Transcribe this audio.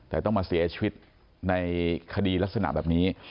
แต่ต้องมาเสียชีวิตในคดีลักษณะแบบนี้